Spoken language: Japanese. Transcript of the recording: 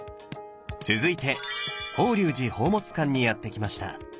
続いて法隆寺宝物館にやって来ました。